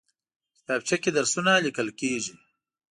کتابچه کې درسونه لیکل کېږي